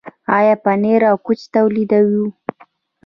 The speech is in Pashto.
آیا پنیر او کوچ تولیدوو؟